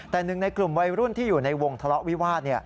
แต่หนึ่งในกลุ่มวัยรุ่นที่อยู่ในวงทะเลาะวิวาส